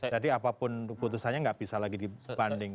jadi apapun putusannya gak bisa lagi dibanding